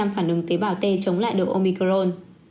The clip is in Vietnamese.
phản ứng tế bào t chống lại độ omicron